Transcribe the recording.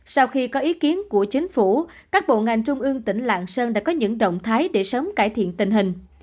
sau khi có ý kiến của chính phủ các bộ ngành trung ương tỉnh lạng sơn đã có những động thái để sớm cải thiện tình hình